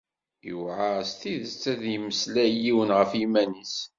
Iwεer s tidet ad d-yemmeslay yiwen ɣef yiman-is.